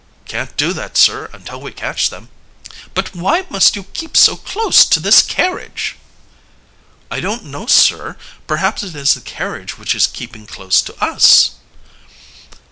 "Can't do that, sir, until we catch them." "But why must you keep so close to this carriage?" "I don't know, sir. Perhaps it is the carriage which is keeping close to us."